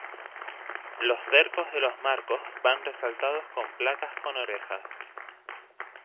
Los cercos de los marcos van resaltados con placas con orejas.